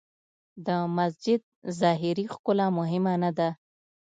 د مسجد ظاهري ښکلا مهمه نه ده.